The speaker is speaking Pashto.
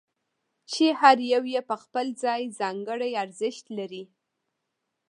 چې هر یو یې په خپل ځای ځانګړی ارزښت لري.